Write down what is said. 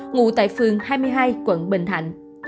ngủ tại phường hai mươi hai quận bình thạnh